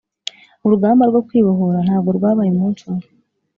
Urugamba rwo kwibohora ntabwo rwabaye umunsi umwe,